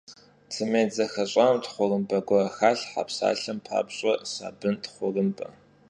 Tsêmênt zexeş'am txhurımbe guer xalhhe, psalhem papş'e, sabın txhurımbe.